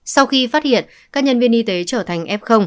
sau khi phát hiện các nhân viên y tế trở thành f